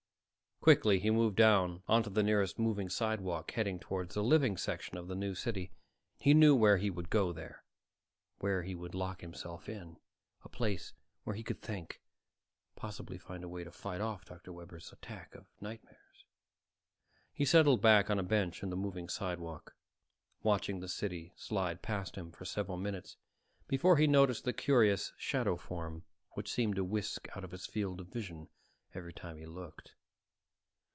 Quickly he moved down onto the nearest moving sidewalk heading toward the living section of the New City. He knew where he could go there, where he could lock himself in, a place where he could think, possibly find a way to fight off Dr. Webber's attack of nightmares. He settled back on a bench on the moving sidewalk, watching the city slide past him for several minutes before he noticed the curious shadow form which seemed to whisk out of his field of vision every time he looked.